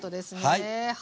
はい。